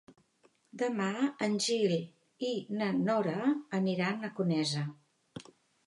Demà en Gil i na Nora aniran a Conesa.